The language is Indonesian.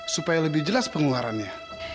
supaya lebih jelas pengeluarannya